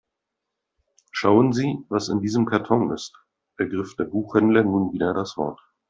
Schauen Sie, was in diesem Karton ist, ergriff der Buchhändler nun wieder das Wort.